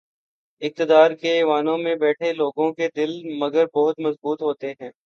اقتدار کے ایوانوں میں بیٹھے لوگوں کے دل، مگر بہت مضبوط ہوتے ہیں۔